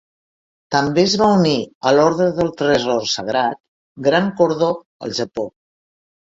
També es va unir a l'Ordre del Tresor Sagrat, Gran Cordó, al Japó.